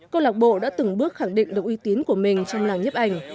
câu lạc bộ đã từng bước khẳng định độ uy tín của mình trong làng nhấp ảnh